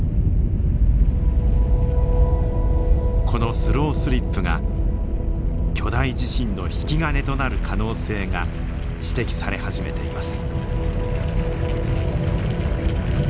このスロースリップが巨大地震の引き金となる可能性が指摘され始めています。